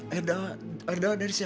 air air doa air doa dari siapa